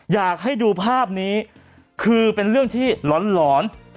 อยากให้ดูภาพนี้คือเป็นเรื่องที่หลอน